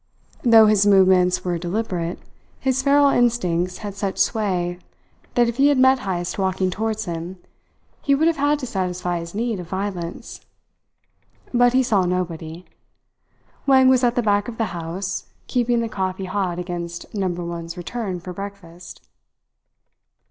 Though his movements were deliberate, his feral instincts had such sway that if he had met Heyst walking towards him, he would have had to satisfy his need of violence. But he saw nobody. Wang was at the back of the house, keeping the coffee hot against Number One's return for breakfast.